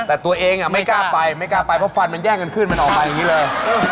แต่ตัวเองไม่กล้าไปไม่กล้าไปเพราะฟันมันแย่งกันขึ้นมันออกไปอย่างนี้เลย